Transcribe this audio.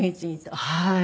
はい。